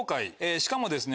しかもですね